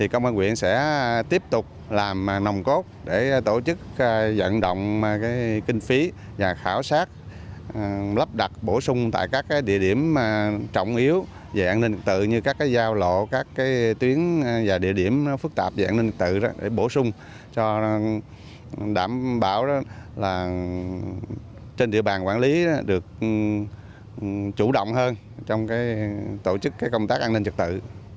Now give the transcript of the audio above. công an quyện sẽ tiếp tục làm nồng cốt để tổ chức dẫn động kinh phí và khảo sát lắp đặt bổ sung tại các địa điểm trọng yếu dạng an ninh trật tự như các giao lộ các tuyến và địa điểm phức tạp dạng an ninh trật tự để bổ sung cho đảm bảo trên địa bàn quản lý được chủ động hơn trong tổ chức công tác an ninh trật tự